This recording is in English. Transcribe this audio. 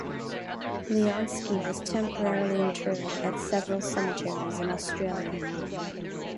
Leonski was temporarily interred at several cemeteries in Australia.